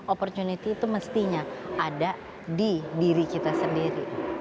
opportunity itu mestinya ada di diri kita sendiri